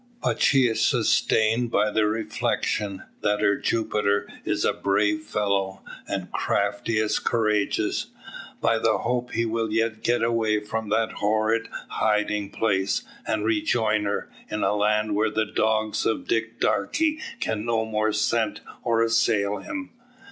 But she is sustained by the reflection, that her Jupiter is a brave fellow, and crafty as courageous; by the hope he will yet get away from that horrid hiding place, and rejoin her, in a land where the dogs of Dick Darke can no more scent or assail him.